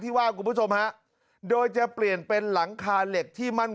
ว่าคุณผู้ชมฮะโดยจะเปลี่ยนเป็นหลังคาเหล็กที่มั่น